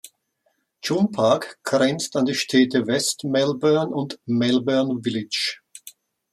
June Park grenzt an die Städte West Melbourne und Melbourne Village.